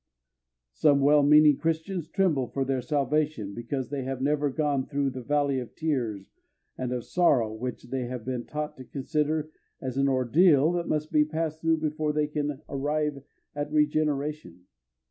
Some well meaning Christians tremble for their salvation, because they have never gone through that valley of tears and of sorrow which they have been taught to consider as an ordeal that must be passed through before they can arrive at regeneration.